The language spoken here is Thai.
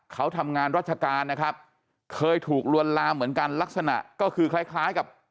เขาทำงานราชการนะครับเคยถูกลวนลามเหมือนกันลักษณะก็คือคล้ายคล้ายกับ